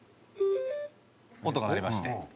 音が鳴りまして。